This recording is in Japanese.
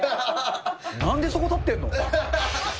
なんでそこ立ってんの？